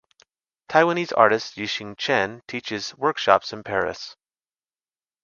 Taiwanese artist Yiching Chen teaches workshops in Paris.